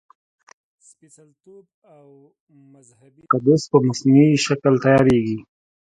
سپېڅلتوب او مذهبي تقدس په مصنوعي شکل تیارېږي.